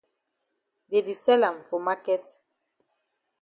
Dey di sell am for maket.